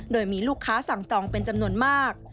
โดยมีลูกค้าสั่งจองเป็นจำนวนมาก